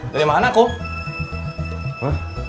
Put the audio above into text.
dari mana kum